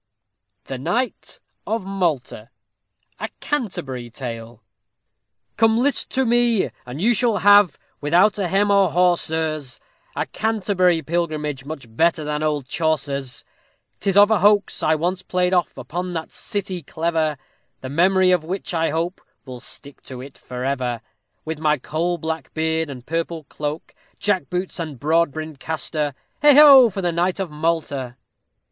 THE KNIGHT OF MALTA A Canterbury Tale Come list to me, and you shall have, without a hem or haw, sirs, A Canterbury pilgrimage, much better than old Chaucer's. 'Tis of a hoax I once played off upon that city clever, The memory of which, I hope, will stick to it for ever. _With my coal black beard, and purple cloak, jack boots, and broad brimmed castor, Hey ho! for the knight of Malta!